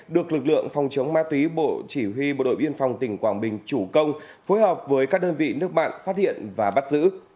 được lực lượng phòng chống ma túy bộ chỉ huy bộ đội biên phòng tỉnh quảng bình chủ công phối hợp với các đơn vị nước bạn phát hiện và bắt giữ